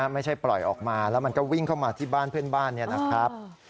ไม่ใช่ปล่อยออกมาแล้วมันก็วิ่งเข้ามาที่บ้านเพื่อนบ้านเนี่ยนะครับ